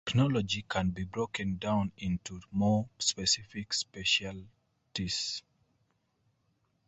Arachnology can be broken down into more specific specialties.